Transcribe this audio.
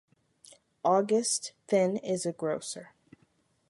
Auguste Thin is a grocer.